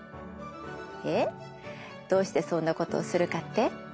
えっ？どうしてそんなことをするかって？